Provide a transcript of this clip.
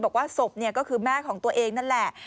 บอกว่าศพก็คือแม่ของตัวเองนั่นแหละ